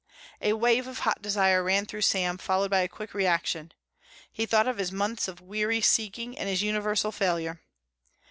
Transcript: A wave of hot desire ran through Sam followed by a quick reaction. He thought of his months of weary seeking and his universal failure.